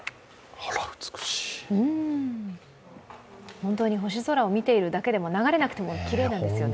本当に星空を見ているだけでも流れなくてもきれいなんですよね。